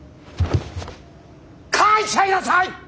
書いちゃいなさい！